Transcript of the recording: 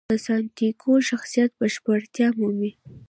د سانتیاګو شخصیت بشپړتیا مومي.